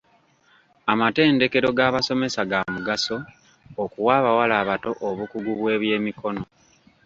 Amatendekero gabasomesa ga mugaso okuwa abawala abato obukugu bw'ebyemikono.